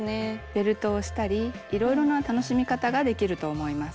ベルトをしたりいろいろな楽しみ方ができると思います。